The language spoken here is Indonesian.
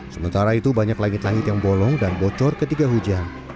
sementara itu banyak langit langit yang bolong dan bocor ketika hujan